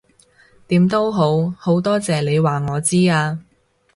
點都好，好多謝你話我知啊